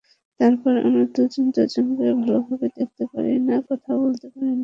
তারপরও আমরা দুজন দুজনকে ভালোভাবে দেখতে পারি না, কথাও বলতে পারি না।